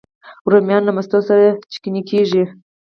رومیان له مستو سره چټني کېږي